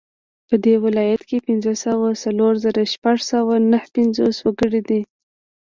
په دې ولایت کې پنځه سوه څلور زره شپږ سوه نهه پنځوس وګړي دي